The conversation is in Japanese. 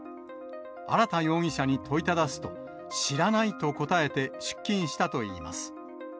荒田容疑者に問いただすと、知らないと答えて、出勤したといいます。